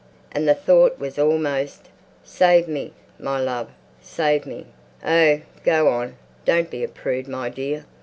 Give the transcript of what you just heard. And the thought was almost, "Save me, my love. Save me!" ... "Oh, go on! Don't be a prude, my dear.